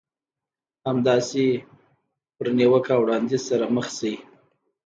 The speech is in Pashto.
همداسې په نيوکه او وړانديز سره مخ شئ.